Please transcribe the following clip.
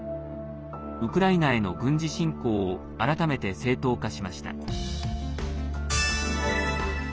ウクライナへの軍事侵攻を改めて正当化しました。